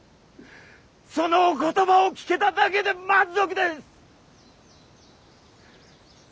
そのお言葉を聞けただけで満足です！